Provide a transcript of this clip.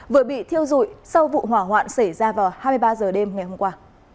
vừa bị thiêu dụi sau vụ hỏa hoạn xảy ra vào hai mươi ba h đêm ngày hôm qua